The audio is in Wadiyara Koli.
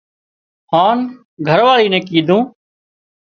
هانَ گھر واۯي نين ڪيڌون